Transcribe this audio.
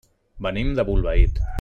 Venim de Bolbait.